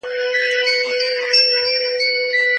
د زړه غوښتنو ته تسلیمي نه ښودل کېږي.